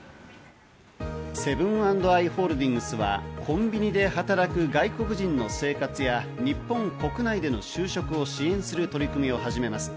セブン＆アイ・ホールディングスはコンビニで働く外国人の生活や日本国内での就職を支援する取り組みを始めます。